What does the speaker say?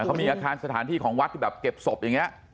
เขามีอาคารสถานที่ของวัดที่แบบเก็บศพอย่างนี้